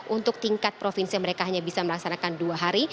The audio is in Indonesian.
untuk tingkat provinsi mereka hanya bisa melaksanakan dua hari